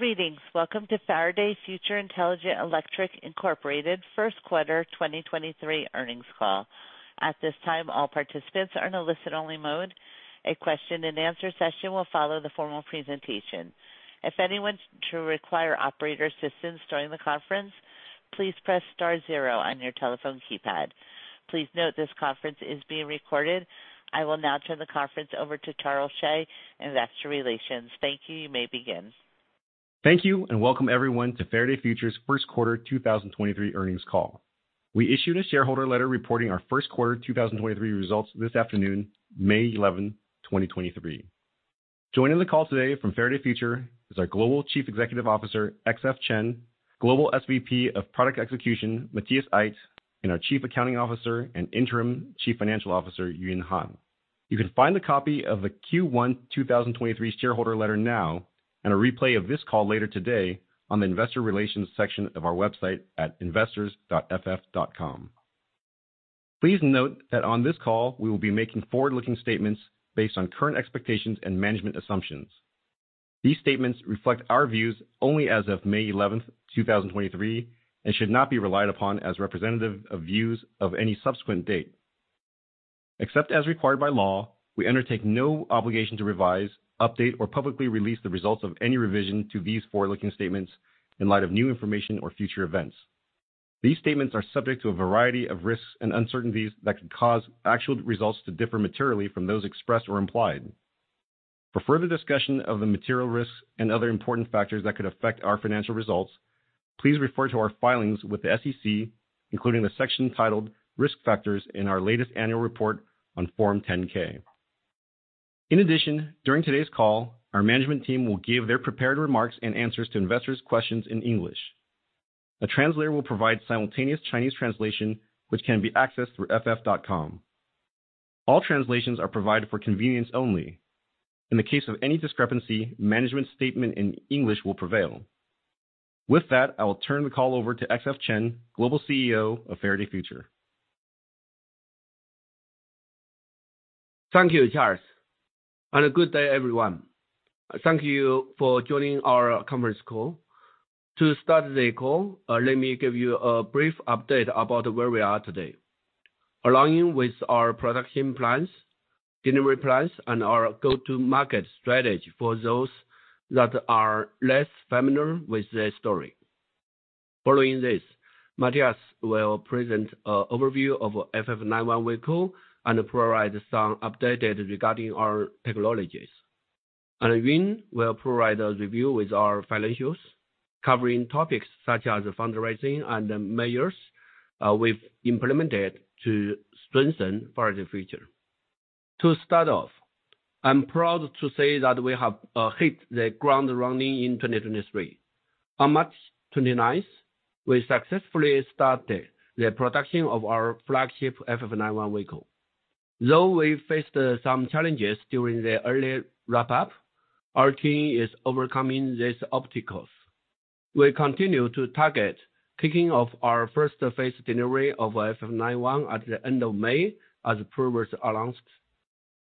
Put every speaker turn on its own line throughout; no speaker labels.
Greetings. Welcome to Faraday Future Intelligent Electric Inc. First Quarter 2023 earnings call. At this time, all participants are in a listen only mode. A question and answer session will follow the formal presentation. If anyone to require operator assistance during the conference, please press star zero on your telephone keypad. Please note this conference is being recorded. I will now turn the conference over to Charles Hsieh, Investor Relations. Thank you. You may begin.
Thank you, and welcome everyone to Faraday Future's first quarter 2023 earnings call. We issued a shareholder letter reporting our first quarter 2023 results this afternoon, May 11, 2023. Joining the call today from Faraday Future is our Global Chief Executive Officer, XF Chen, Global SVP of Product Execution, Matthias Aydt, and our Chief Accounting Officer and Interim Chief Financial Officer, Yun Han. You can find a copy of the Q1 2023 shareholder letter now, and a replay of this call later today on the investor relations section of our website at investors.ff.com. Please note that on this call, we will be making forward-looking statements based on current expectations and management assumptions. These statements reflect our views only as of May 11, 2023, and should not be relied upon as representative of views of any subsequent date. Except as required by law, we undertake no obligation to revise, update, or publicly release the results of any revision to these forward-looking statements in light of new information or future events. These statements are subject to a variety of risks and uncertainties that could cause actual results to differ materially from those expressed or implied. For further discussion of the material risks and other important factors that could affect our financial results, please refer to our filings with the SEC, including the section titled Risk Factors in our latest annual report on Form 10-K. In addition, during today's call, our management team will give their prepared remarks and answers to investors questions in English. A translator will provide simultaneous Chinese translation, which can be accessed through ff.com. All translations are provided for convenience only. In the case of any discrepancy, management statement in English will prevail. With that, I will turn the call over to XF Chen, Global CEO of Faraday Future.
Thank you, Charles. A good day, everyone. Thank you for joining our conference call. To start the call, let me give you a brief update about where we are today, along with our production plans, delivery plans, and our go-to market strategy for those that are less familiar with the story. Following this, Matthias will present an overview of FF 91 vehicle and provide some updated regarding our technologies. Yun will provide a review with our financials, covering topics such as fundraising and the measures we've implemented to strengthen Faraday Future. To start off, I'm proud to say that we have hit the ground running in 2023. On March 29th, we successfully started the production of our flagship FF 91 vehicle. Though we faced some challenges during the early wrap-up, our team is overcoming these obstacles. We continue to target kicking off our first phase delivery of FF 91 at the end of May, as previously announced.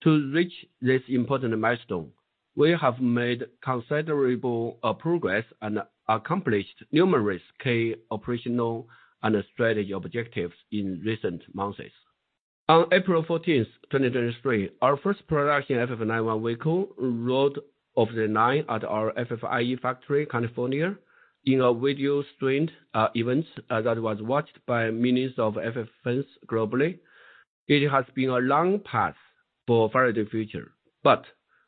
To reach this important milestone, we have made considerable progress and accomplished numerous key operational and strategy objectives in recent months. On April 14, 2023, our first production FF 91 vehicle rolled off the line at our FF ieFactory, California, in a video-streamed event that was watched by millions of FF fans globally. It has been a long path for Faraday Future.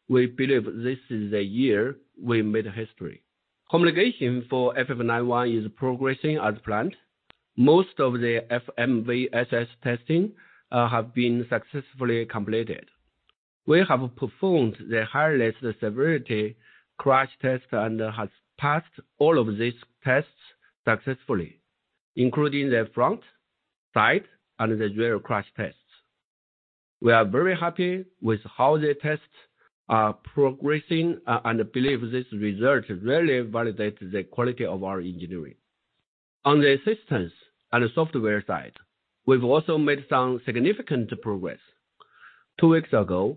We believe this is the year we made history. Homologation for FF 91 is progressing as planned. Most of the FMVSS testing have been successfully completed. We have performed the highest severity crash test and has passed all of these tests successfully, including the front, side, and the zero crash tests. We are very happy with how the tests are progressing and believe this result really validates the quality of our engineering. On the systems and software side, we've also made some significant progress. Two weeks ago,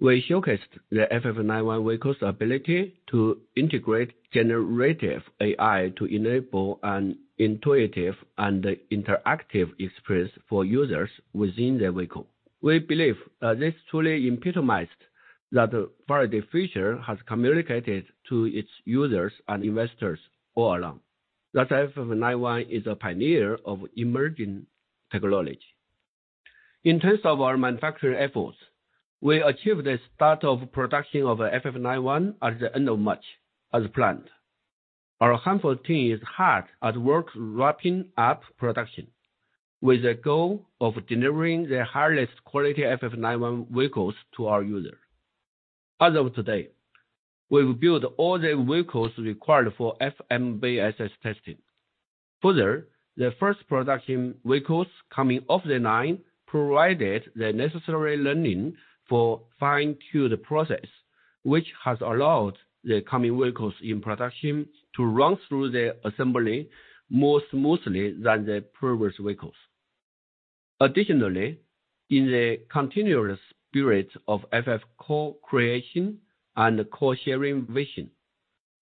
we showcased the FF 91 vehicle's ability to integrate generative AI to enable an intuitive and interactive experience for users within the vehicle. We believe this truly epitomized that Faraday Future has communicated to its users and investors all along. That FF 91 is a pioneer of emerging technology. In terms of our manufacturing efforts, we achieved the start of production of FF 91 at the end of March, as planned. Our Hanford team is hard at work wrapping up production with the goal of delivering the highest quality FF 91 vehicles to our users. As of today, we've built all the vehicles required for FMVSS testing. Further, the first production vehicles coming off the line provided the necessary learning for fine-tune the process, which has allowed the coming vehicles in production to run through the assembly more smoothly than the previous vehicles. Additionally, in the continuous spirit of FF co-creation and co-sharing vision,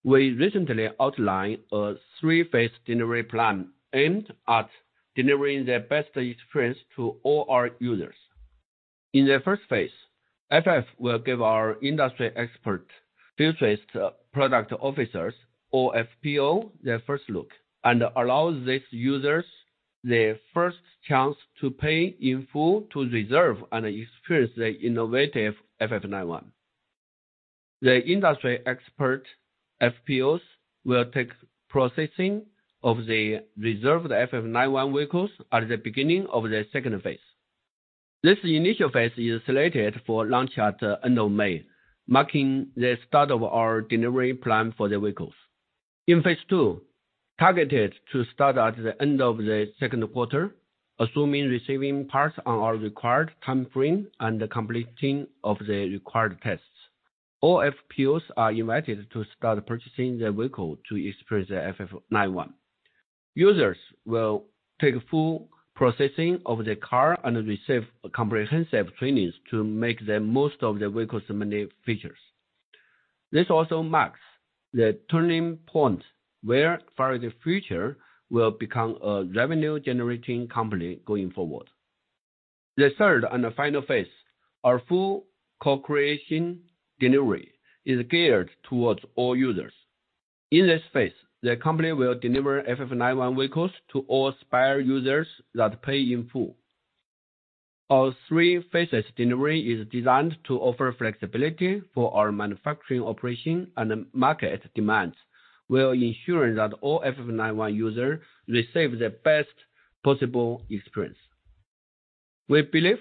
we recently outlined a three-phase delivery plan aimed at delivering the best experience to all our users. In the first phase, FF will give our industry expert Futurist Product Officers or FPO their first look, and allow these users the first chance to pay in full to reserve and experience the innovative FF 91. The industry expert FPOs will take processing of the reserved FF 91 vehicles at the beginning of the second phase. This initial phase is slated for launch at end of May, marking the start of our delivery plan for the vehicles. In phase two, targeted to start at the end of the second quarter, assuming receiving parts on our required timeframe and the completing of the required tests. All FPOs are invited to start purchasing the vehicle to experience the FF 91. Users will take full processing of the car and receive comprehensive trainings to make the most of the vehicle's many features. This also marks the turning point where Faraday Future will become a revenue-generating company going forward. The third and final phase, our full co-creation delivery, is geared towards all users. In this phase, the company will deliver FF 91 vehicles to all spire users that pay in full. Our three phases delivery is designed to offer flexibility for our manufacturing operation and market demands, while ensuring that all FF 91 user receive the best possible experience. We believe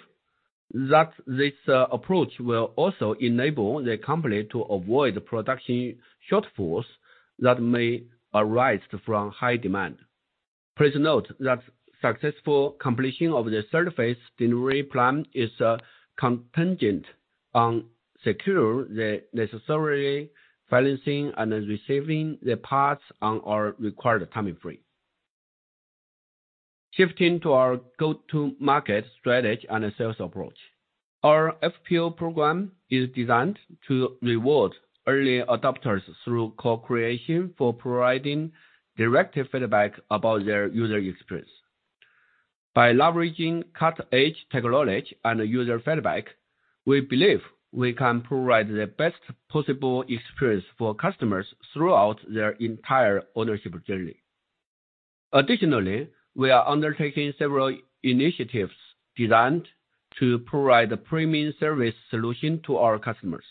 that this approach will also enable the company to avoid production shortfalls that may arise from high demand. Please note that successful completion of the third phase delivery plan is contingent on secure the necessary financing and receiving the parts on our required time frame. Shifting to our go-to-market strategy and sales approach. Our FPO program is designed to reward early adopters through co-creation for providing direct feedback about their user experience. By leveraging cutting-edge technology and user feedback, we believe we can provide the best possible experience for customers throughout their entire ownership journey. Additionally, we are undertaking several initiatives designed to provide premium service solution to our customers.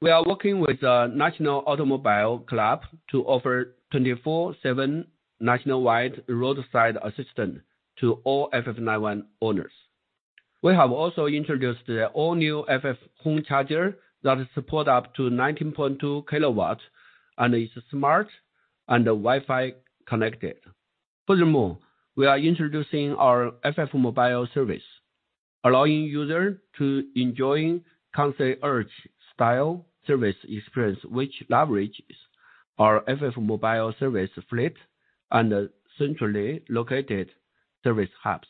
We are working with the National Automobile Club to offer 24/7 nationwide roadside assistance to all FF 91 owners. We have also introduced the all-new FF Home Charger that support up to 19.2 kilowatts and is smart and Wi-Fi connected. Furthermore, we are introducing our FF Mobile Service, allowing users to enjoy concierge-style service experience which leverages our FF Mobile Service fleet and centrally located service hubs.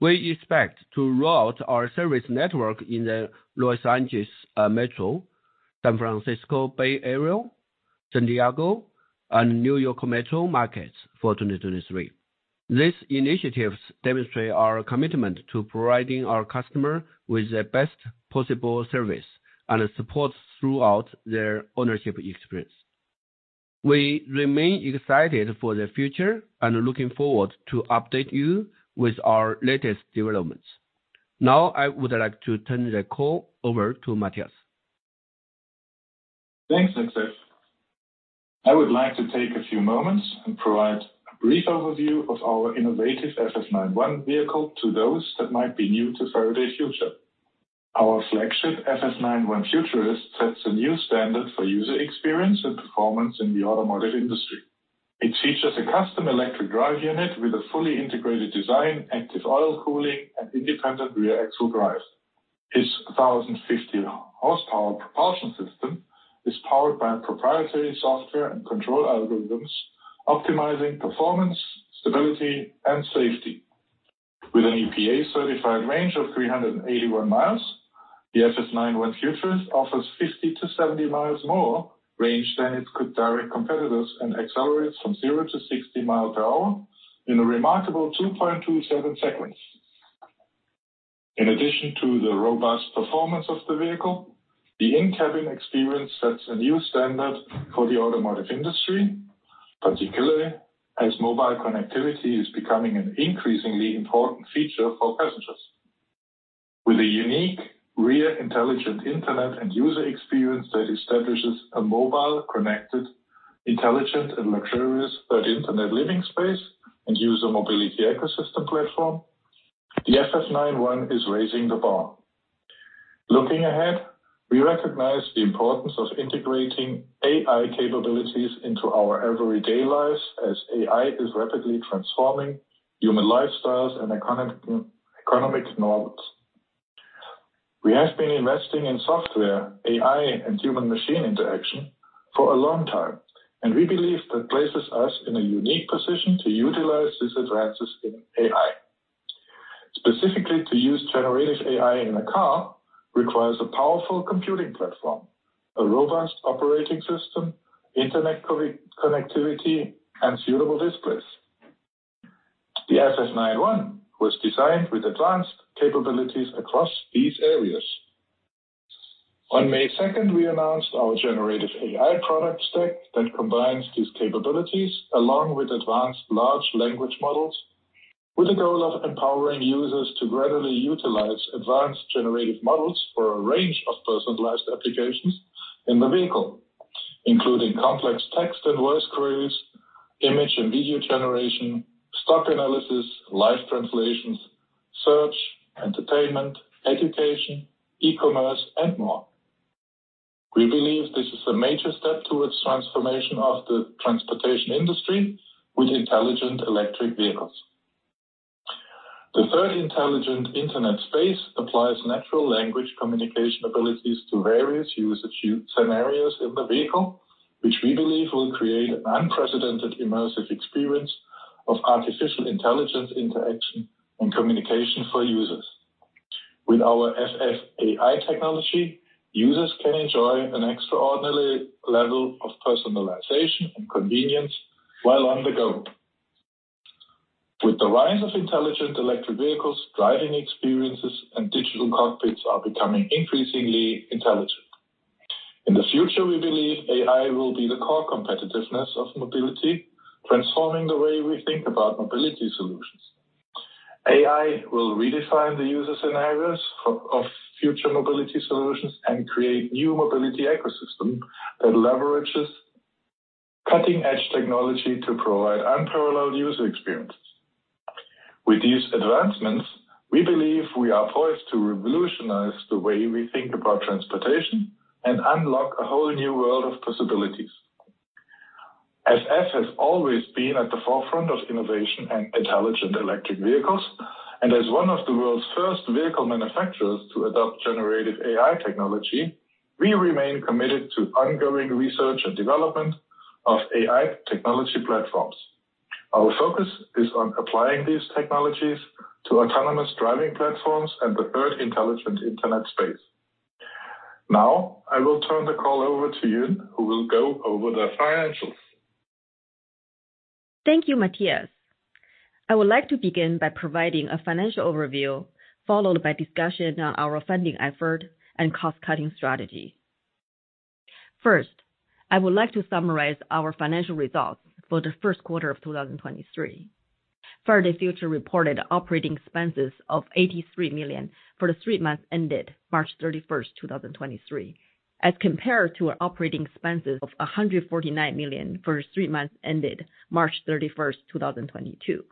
We expect to route our service network in the Los Angeles Metro, San Francisco Bay Area, San Diego and New York Metro markets for 2023. These initiatives demonstrate our commitment to providing our customer with the best possible service and support throughout their ownership experience. We remain excited for the future and looking forward to update you with our latest developments. Now I would like to turn the call over to Matthias.
Thanks, Xuefeng. I would like to take a few moments and provide a brief overview of our innovative FF 91 vehicle to those that might be new to Faraday Future. Our flagship FF 91 Futurist sets a new standard for user experience and performance in the automotive industry. It features a custom electric drive unit with a fully integrated design, active oil cooling and independent rear axle drive. Its 1,050 horsepower propulsion system is powered by proprietary software and control algorithms, optimizing performance, stability and safety. With an EPA certified range of 381 miles, the FF 91 Futurist offers 50 to 70 miles more range than its direct competitors, and accelerates from zero to 60 miles per hour in a remarkable 2.27 seconds. In addition to the robust performance of the vehicle, the in-cabin experience sets a new standard for the automotive industry, particularly as mobile connectivity is becoming an increasingly important feature for passengers. With a unique rear intelligent internet and user experience that establishes a mobile, connected, intelligent and luxurious third internet living space and user mobility ecosystem platform, the FF 91 is raising the bar. Looking ahead, we recognize the importance of integrating AI capabilities into our everyday lives as AI is rapidly transforming human lifestyles and economic norms. We have been investing in software, AI, and human machine interaction for a long time, and we believe that places us in a unique position to utilize these advances in AI. Specifically to use generative AI in a car requires a powerful computing platform, a robust operating system, internet connectivity, and suitable displays. The FF 91 was designed with advanced capabilities across these areas. On May second, we announced our Generative AI Product Stack that combines these capabilities along with advanced large language models, with the goal of empowering users to gradually utilize advanced generative models for a range of personalized applications in the vehicle, including complex text and voice queries, image and video generation, stock analysis, live translations, search, entertainment, education, e-commerce and more. We believe this is a major step towards transformation of the transportation industry with intelligent electric vehicles. The third intelligent internet space applies natural language communication abilities to various usage scenarios in the vehicle, which we believe will create an unprecedented immersive experience of artificial intelligence, interaction and communication for users. With our FF AI technology, users can enjoy an extraordinary level of personalization and convenience while on the go. With the rise of intelligent electric vehicles, driving experiences and digital cockpits are becoming increasingly intelligent. In the future, we believe AI will be the core competitiveness of mobility, transforming the way we think about mobility solutions. AI will redefine the user scenarios of future mobility solutions and create new mobility ecosystem that leverages cutting-edge technology to provide unparalleled user experience. With these advancements, we believe we are poised to revolutionize the way we think about transportation and unlock a whole new world of possibilities. FF has always been at the forefront of innovation and intelligent electric vehicles, and as one of the world's first vehicle manufacturers to adopt generative AI technology, we remain committed to ongoing research and development of AI technology platforms. Our focus is on applying these technologies to autonomous driving platforms and the third intelligent internet space. Now, I will turn the call over to Yun, who will go over the financials.
Thank you, Matthias. I would like to begin by providing a financial overview followed by discussion on our funding effort and cost-cutting strategy. First, I would like to summarize our financial results for the first quarter of 2023. Faraday Future reported operating expenses of $83 million for the three months ended March 31, 2023, as compared to our operating expenses of $149 million for three months ended March 31, 2022.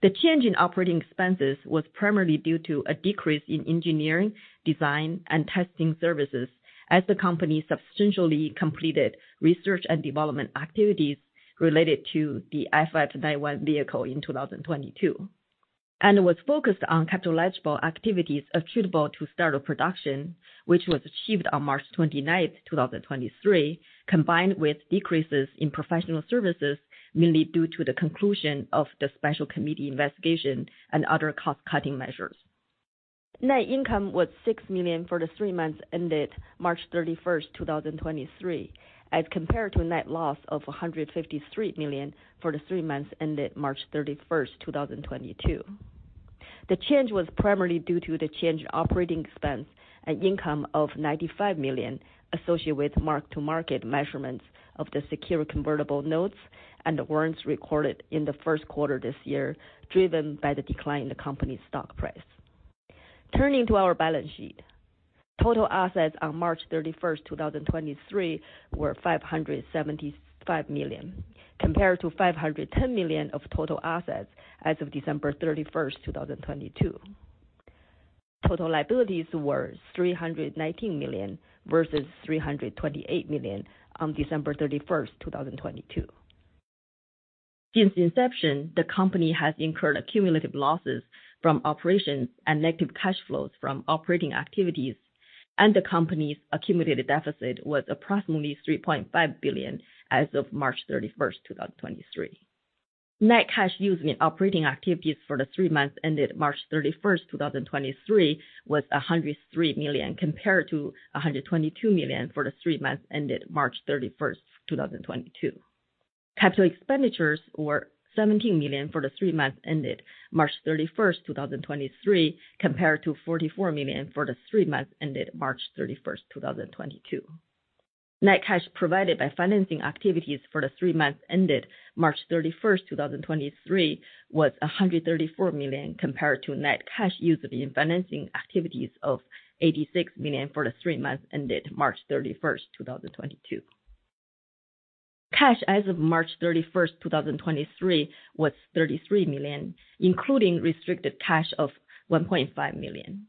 The change in operating expenses was primarily due to a decrease in engineering, design, and testing services as the company substantially completed research and development activities related to the FF 91 vehicle in 2022, and was focused on capitalizable activities attributable to start of production, which was achieved on March 29th, 2023, combined with decreases in professional services, mainly due to the conclusion of the special committee investigation and other cost-cutting measures. Net income was $6 million for the three months ended March 31st, 2023, as compared to a net loss of $153 million for the three months ended March 31st, 2022. The change was primarily due to the change in operating expense and income of $95 million associated with mark-to-market measurements of the secure convertible notes and warrants recorded in the first quarter this year, driven by the decline in the company's stock price. Turning to our balance sheet. Total assets on March 31, 2023 were $575 million, compared to $510 million of total assets as of December 31, 2022. Total liabilities were $319 million versus $328 million on December 31, 2022. Since inception, the company has incurred accumulative losses from operations and negative cash flows from operating activities. The company's accumulated deficit was approximately $3.5 billion as of March 31, 2023. Net cash used in operating activities for the three months ended March 31st, 2023 was $103 million, compared to $122 million for the three months ended March 31st, 2022. Capital expenditures were $17 million for the three months ended March 31st, 2023, compared to $44 million for the three months ended March 31st, 2022. Net cash provided by financing activities for the three months ended March 31st, 2023 was $134 million compared to net cash used in financing activities of $86 million for the three months ended March 31st, 2022. Cash as of March 31st, 2023 was $33 million, including restricted cash of $1.5 million.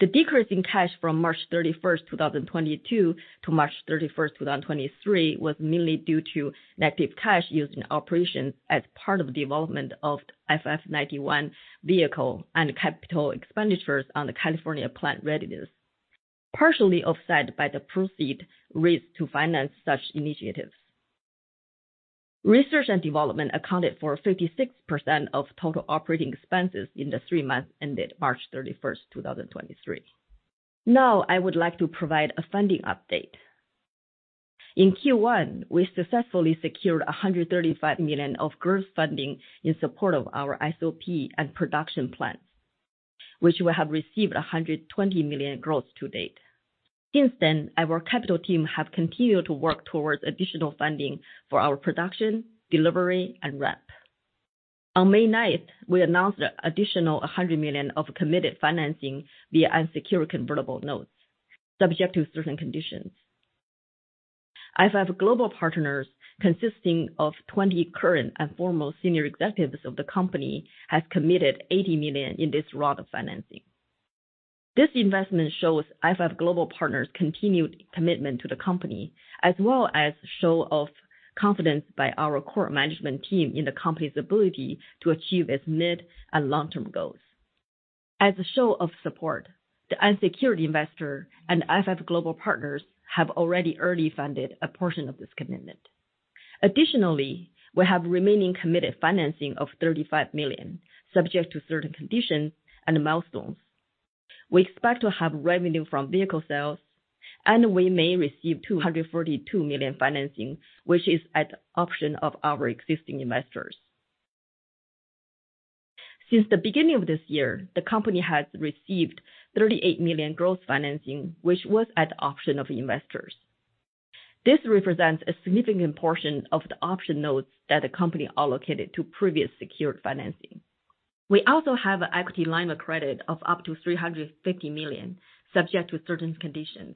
The decrease in cash from March 31, 2022 to March 31, 2023 was mainly due to negative cash used in operations as part of development of FF 91 vehicle and capital expenditures on the California plant readiness. Partially offset by the proceed raised to finance such initiatives. Research and development accounted for 56% of total operating expenses in the three months ended March 31, 2023. I would like to provide a funding update. In Q1, we successfully secured $135 million of gross funding in support of our SOP and production plans, which we have received $120 million gross to date. Since then, our capital team have continued to work towards additional funding for our production, delivery, and ramp. On May ninth, we announced additional $100 million of committed financing via unsecured convertible notes subject to certain conditions. FF Global Partners, consisting of 20 current and former senior executives of the company, have committed $80 million in this round of financing. This investment shows FF Global Partners continued commitment to the company as well as show of confidence by our core management team in the company's ability to achieve its mid and long-term goals. As a show of support, the unsecured investor and FF Global Partners have already early funded a portion of this commitment. Additionally, we have remaining committed financing of $35 million subject to certain conditions and milestones. We expect to have revenue from vehicle sales, and we may receive $242 million financing, which is at option of our existing investors. Since the beginning of this year, the company has received $38 million gross financing, which was at the option of investors. This represents a significant portion of the option notes that the company allocated to previous secured financing. We also have an equity line of credit of up to $350 million, subject to certain conditions,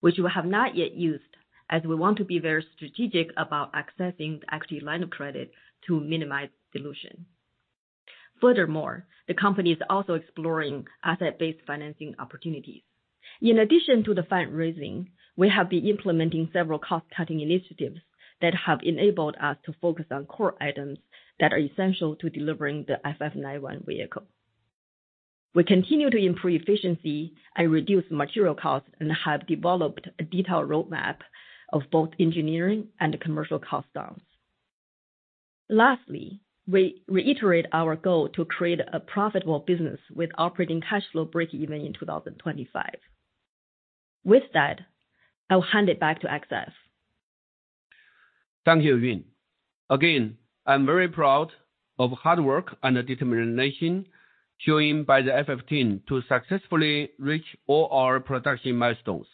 which we have not yet used as we want to be very strategic about accessing the equity line of credit to minimize dilution. Furthermore, the company is also exploring asset-based financing opportunities. In addition to the fundraising, we have been implementing several cost-cutting initiatives that have enabled us to focus on core items that are essential to delivering the FF 91 vehicle. We continue to improve efficiency and reduce material costs and have developed a detailed roadmap of both engineering and commercial cost downs. Lastly, we reiterate our goal to create a profitable business with operating cash flow breakeven in 2025. With that, I'll hand it back to XF.
Thank you, Yun. Again, I'm very proud of hard work and determination shown by the FF team to successfully reach all our production milestones.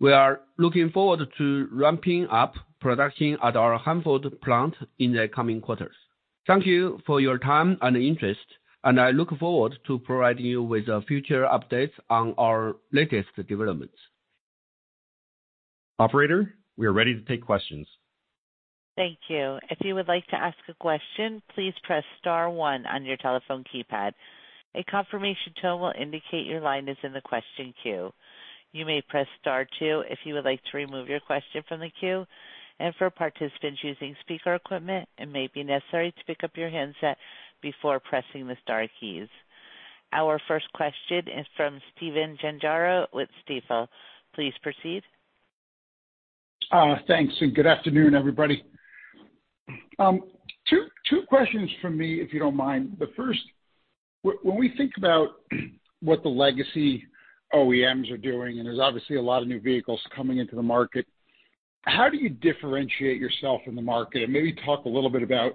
We are looking forward to ramping up production at our Hanford plant in the coming quarters. Thank you for your time and interest, and I look forward to providing you with future updates on our latest developments.
Operator, we are ready to take questions.
Thank you. If you would like to ask a question, please press star one on your telephone keypad. A confirmation tone will indicate your line is in the question queue. You may press star two if you would like to remove your question from the queue. For participants using speaker equipment, it may be necessary to pick up your handset before pressing the star keys. Our first question is from Stephen Gengaro with Stifel. Please proceed.
Thanks, good afternoon, everybody. Two questions from me, if you don't mind. The first, when we think about what the legacy OEMs are doing, there's obviously a lot of new vehicles coming into the market, how do you differentiate yourself in the market? Maybe talk a little bit about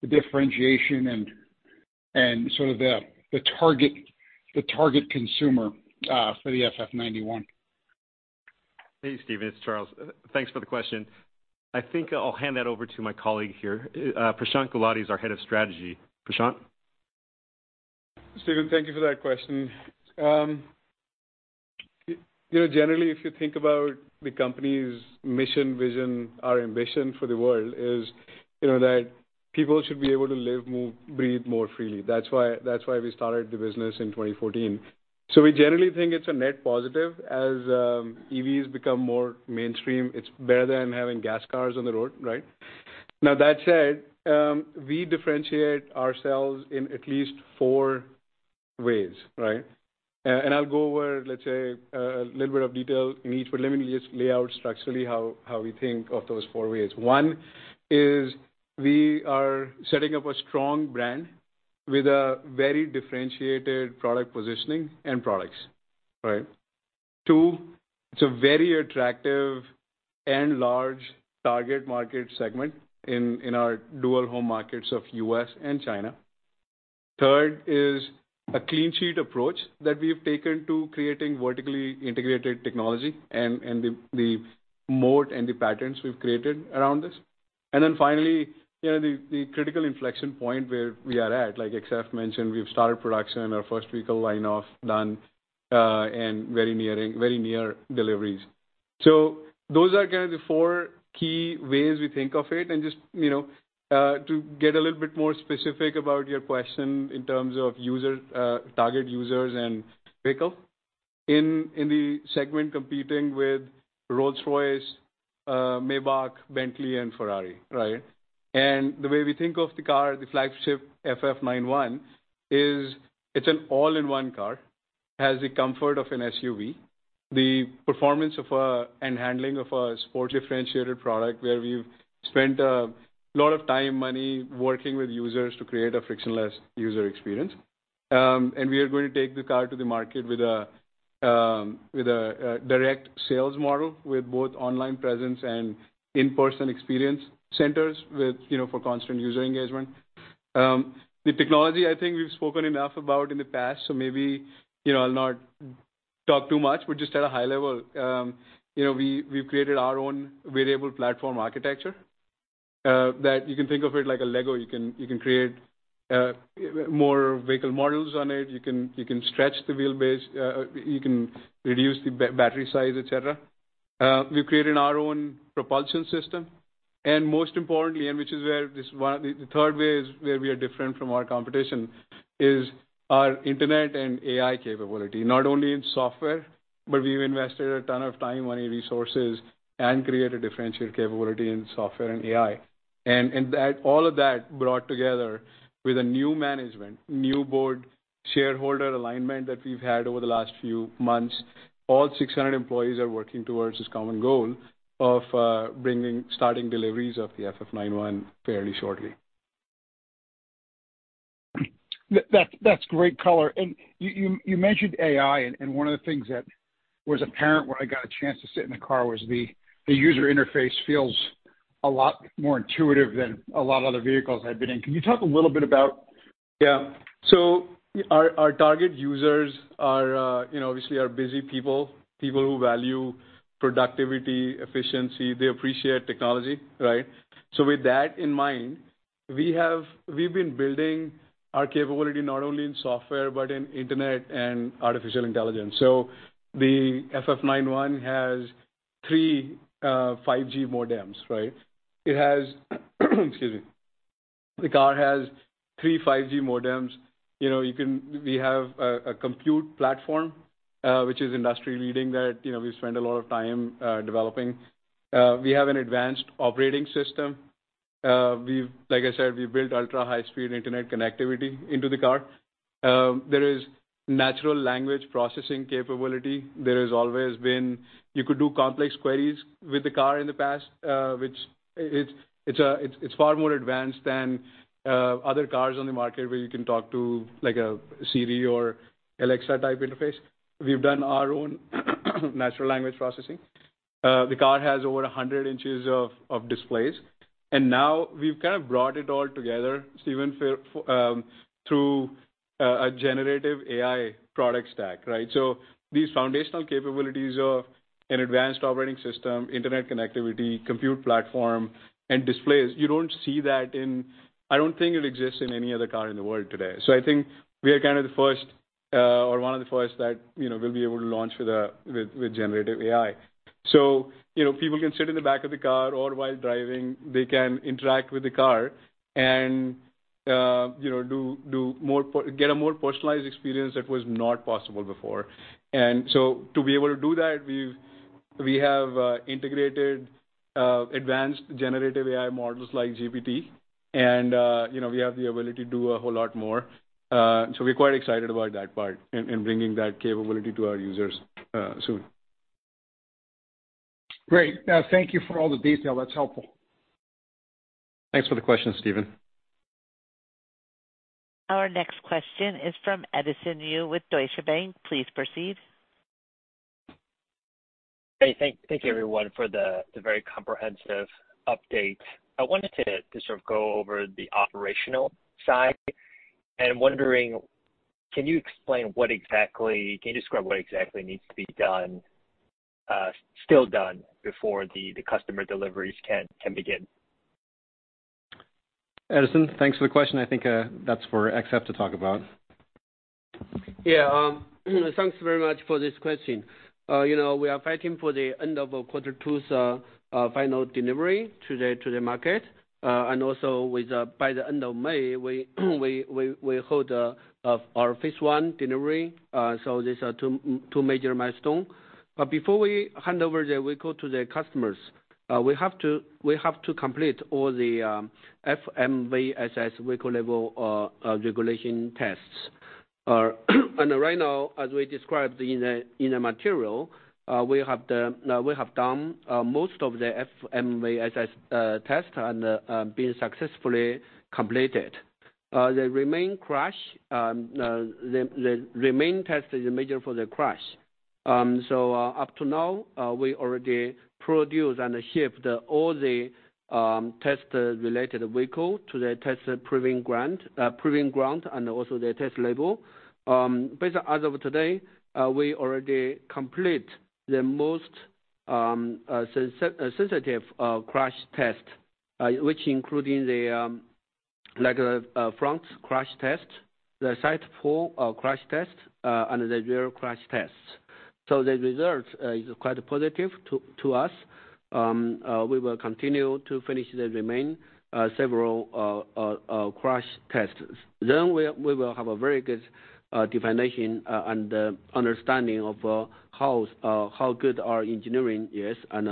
the differentiation and sort of the target consumer for the FF 91.
Hey, Stephen, it's Charles. Thanks for the question. I think I'll hand that over to my colleague here. Prashant Gulati is our head of strategy. Prashant.
Stephen, thank you for that question. you know, generally, if you think about the company's mission, vision, our ambition for the world is, you know, that people should be able to live more, breathe more freely. That's why we started the business in 2014. We generally think it's a net positive as EVs become more mainstream. It's better than having gas cars on the road, right? Now, that said, we differentiate ourselves in at least four ways, right? I'll go over, let's say, a little bit of detail in each, but let me just lay out structurally how we think of those four ways. One is we are setting up a strong brand with a very differentiated product positioning and products. All right. Two, it's a very attractive and large target market segment in our dual home markets of U.S. and China. Third is a clean sheet approach that we have taken to creating vertically integrated technology and the moat and the patterns we've created around this. Finally, you know, the critical inflection point where we are at, like XF mentioned, we've started production, our first vehicle line-off done, and very near deliveries. Those are kind of the four key ways we think of it. Just, you know, to get a little bit more specific about your question in terms of user, target users and vehicle. In the segment competing with Rolls-Royce. Maybach, Bentley, and Ferrari, right? The way we think of the car, the flagship FF 91 is it's an all-in-one car. Has the comfort of an SUV, the performance of a, and handling of a sports differentiated product, where we've spent a lot of time, money working with users to create a frictionless user experience. We are going to take the car to the market with a direct sales model with both online presence and in-person experience centers with, you know, for constant user engagement. The technology I think we've spoken enough about in the past, so maybe, you know, I'll not talk too much, but just at a high level. You know, we've created our own Variable Platform Architecture, that you can think of it like a LEGO. You can create more vehicle models on it. You can stretch the wheelbase, you can reduce the battery size, et cetera. We've created our own propulsion system, and most importantly, which is where the third way is where we are different from our competition is our Internet and AI capability. Not only in software, but we've invested a ton of time, money, resources and create a differentiated capability in software and AI. That, all of that brought together with a new management, new board, shareholder alignment that we've had over the last few months. All 600 employees are working towards this common goal of bringing starting deliveries of the FF 91 fairly shortly.
That's great color. You mentioned AI, one of the things that was apparent when I got a chance to sit in the car was the user interface feels a lot more intuitive than a lot of other vehicles I've been in. Can you talk a little bit about...
Yeah. Our, our target users are, you know, obviously are busy people. People who value productivity, efficiency. They appreciate technology, right? With that in mind, we've been building our capability not only in software but in internet and artificial intelligence. The FF 91 has three 5G modems, right? It has, excuse me. The car has three 5G modems. You know, you can, we have a compute platform, which is industry-leading that, you know, we spend a lot of time developing. We have an advanced operating system. We've like I said, we built ultra-high-speed internet connectivity into the car. There is natural language processing capability. There has always been... You could do complex queries with the car in the past, which it's far more advanced than other cars on the market where you can talk to like a Siri or Alexa type interface. We've done our own natural language processing. The car has over 100 inches of displays, and now we've kind of brought it all together, Stephen, for through a Generative AI Product Stack, right? These foundational capabilities of an advanced operating system, internet connectivity, compute platform and displays, you don't see that in. I don't think it exists in any other car in the world today. I think we are kind of the first, or one of the first that, you know, will be able to launch with a Generative AI. You know, people can sit in the back of the car or while driving, they can interact with the car and, you know, get a more personalized experience that was not possible before. To be able to do that, we have integrated advanced generative AI models like GPT and, you know, we have the ability to do a whole lot more. We're quite excited about that part in bringing that capability to our users, soon.
Great. Thank you for all the detail. That's helpful.
Thanks for the question, Stephen.
Our next question is from Edison Yu with Deutsche Bank. Please proceed.
Hey, thank you, everyone, for the very comprehensive update. I wanted to sort of go over the operational side. I'm wondering, can you describe what exactly needs to be done still done before the customer deliveries can begin?
Edison, thanks for the question. I think that's for XF to talk about.
Yeah. Thanks very much for this question. You know, we are fighting for the end of quarter two's final delivery to the market. Also with, by the end of May we hold our phase one delivery. These are two major milestone. Before we hand over the vehicle to the customers, we have to complete all the FMVSS vehicle level regulation tests. Right now, as we described in the material, we have done most of the FMVSS test and been successfully completed. The remain crash, the remain test is major for the crash. Up to now, we already produce and ship all the test related vehicle to the test proving ground and also the test label. As of today, we already complete the most sensitive crash test, which including the like the front crash test, the side four crash test, and the rear crash tests. The results is quite positive to us. We will continue to finish the remaining several crash tests. We will have a very good definition and understanding of how good our engineering is and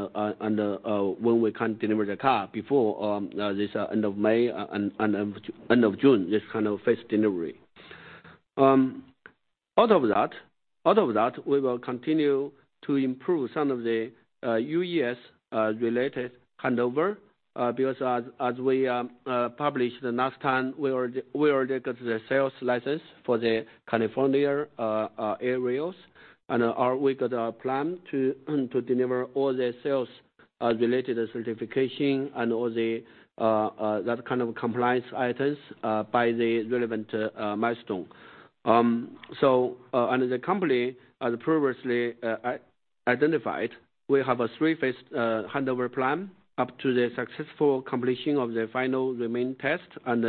when we can deliver the car before this end of May and end of June, this kind of phase delivery. Out of that, we will continue to improve some of the U.S. related handover, because as we published the last time, we already got the sales license for the California areas. We got a plan to deliver all the sales related certification and all the that kind of compliance items by the relevant milestone. The company, as previously identified, we have a three-phase handover plan up to the successful completion of the final remaining test and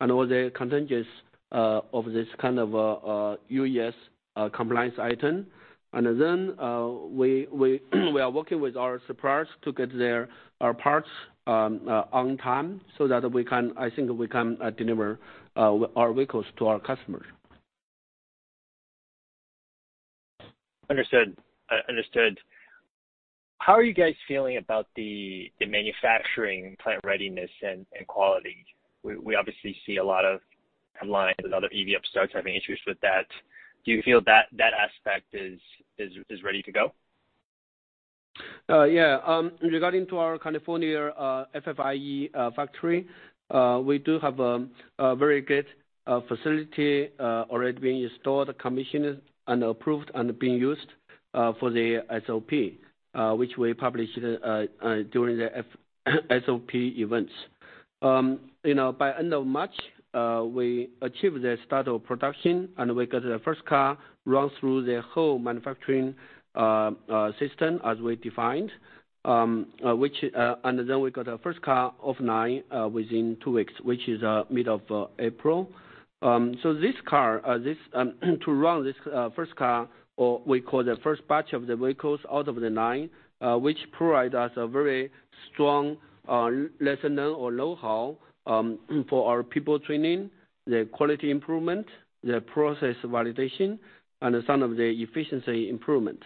all the contingencies of this kind of [U.S.] compliance item. We are working with our suppliers to get their parts on time so that I think we can deliver our vehicles to our customers.
Understood. How are you guys feeling about the manufacturing plant readiness and quality? We obviously see a lot of online, a lot of EV startups having issues with that. Do you feel that that aspect is ready to go?
Yeah. Regarding to our California FFIE factory, we do have a very good facility already being installed, commissioned, and approved and being used for the SOP, which we published during the SOP events. You know, by end of March, we achieved the start of production, and we got the first car run through the whole manufacturing system as we defined. Which and then we got the first car off line within two weeks, which is mid of April. This car To run this first car, or we call the first batch of the vehicles out of the line, which provide us a very strong lesson learned or know-how, for our people training, the quality improvement, the process validation, and some of the efficiency improvement.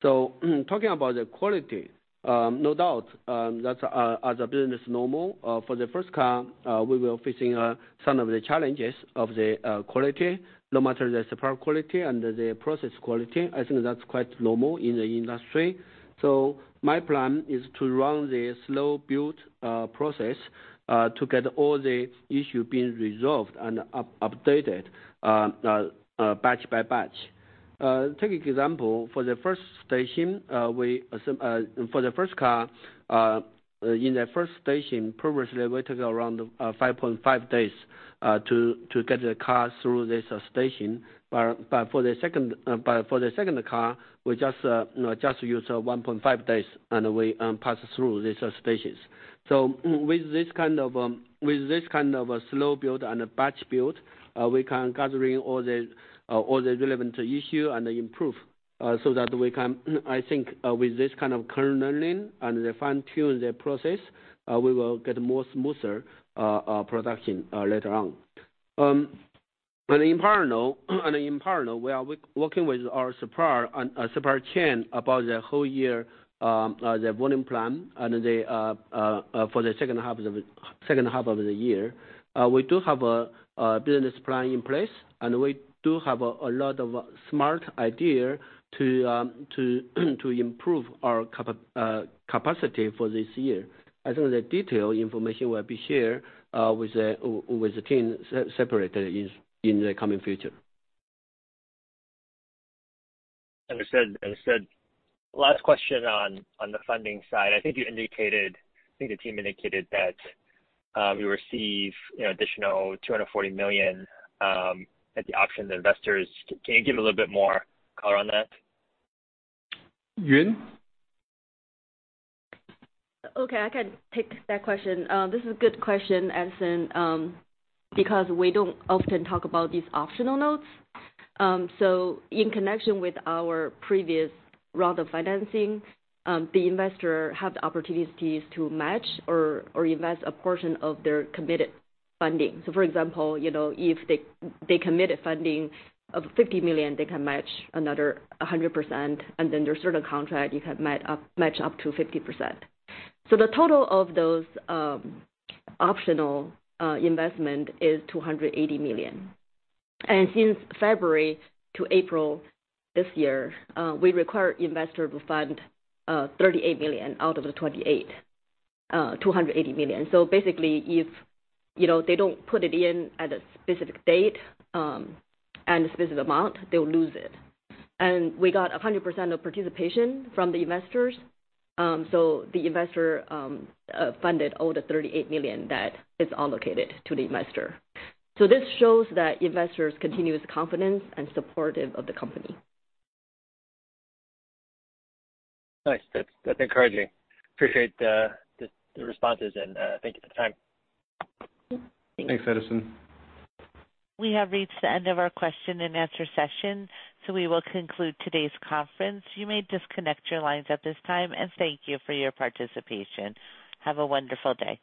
Talking about the quality, no doubt, that's as a business normal for the first car, we were facing some of the challenges of the quality, no matter the support quality and the process quality. I think that's quite normal in the industry. My plan is to run the slow build process to get all the issue being resolved and updated batch by batch. Take example, for the first station, for the first car, in the first station, previously it took around 5.5 days to get the car through this station. For the second car, we just use 1.5 days, and we pass through the stations. With this kind of a slow build and a batch build, we can gathering all the relevant issue and improve so that we can, I think, with this kind of current learning and fine-tune the process, we will get more smoother production later on. In parallel, we are working with our supplier and supply chain about the whole year, the volume plan and the for the second half of the year. We do have a business plan in place, and we do have a lot of smart idea to improve our capacity for this year. I think the detailed information will be shared with the team separately in the coming future.
Understood. Last question on the funding side. I think you indicated, I think the team indicated that, you receive, you know, additional $240 million at the option of investors. Can you give a little bit more color on that?
Yun?
Okay, I can take that question. This is a good question, Edison, because we don't often talk about these optional notes. In connection with our previous round of financing, the investor have the opportunities to match or invest a portion of their committed funding. For example, you know, if they committed funding of $50 million, they can match another 100%, there's certain contract you can match up to 50%. The total of those optional investment is $280 million. Since February to April this year, we require investor to fund $38 billion out of the $280 billion. Basically, if, you know, they don't put it in at a specific date, and a specific amount, they'll lose it. We got 100% of participation from the investors. The investor funded all the $38 million that is allocated to the investor. This shows that investors continuous confidence and supportive of the company.
Nice. That's encouraging. Appreciate the responses, and thank you for the time.
Thanks.
Thanks.
Thanks, Edison.
We have reached the end of our question and answer session, so we will conclude today's conference. You may disconnect your lines at this time, and thank you for your participation. Have a wonderful day.